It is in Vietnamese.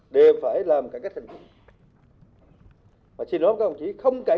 không cải cách vẫn bổn cổ chép lại